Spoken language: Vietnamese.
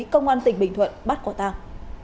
công an tỉnh bình thuận bắt có tang